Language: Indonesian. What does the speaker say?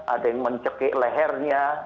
ada yang mencekik lehernya